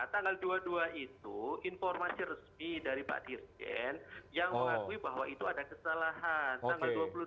tanggal dua puluh dua itu informasi resmi dari pak dirjen yang mengakui bahwa itu ada kesalahan